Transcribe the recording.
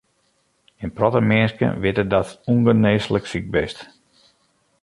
In protte minsken witte datst ûngenêslik siik bist.